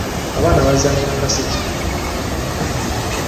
abaana bbazanya nga ssekitulege